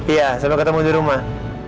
iya sampai ketemu dirumah